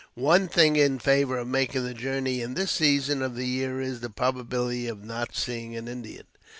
One thing in favor of making the journey in this season of the year is, the probability of not seeing an Indian.